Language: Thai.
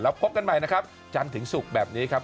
พบกันใหม่นะครับจันทร์ถึงศุกร์แบบนี้ครับ